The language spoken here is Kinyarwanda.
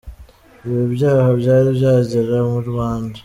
Ibi byaha byari byagera mu Rwanda?.